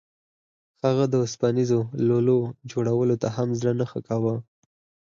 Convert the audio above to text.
هغه د اوسپنیزو لولو جوړولو ته هم زړه نه ښه کاوه